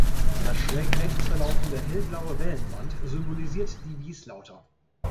Das schrägrechts verlaufende hellblaue Wellenband symbolisiert die Wieslauter.